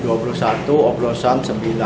untuk satu oblosan sembilan